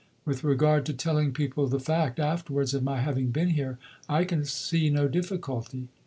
With regard to telling people the fact (afterwards) of my having been here, I can see no difficulty.